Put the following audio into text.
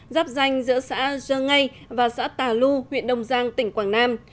giáp danh giữa xã dơ ngay và xã tà lu huyện đồng giang tỉnh quảng nam